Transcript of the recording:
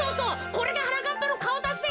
これがはなかっぱのかおだぜ。